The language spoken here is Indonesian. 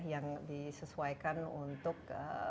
yang disesuaikan untuk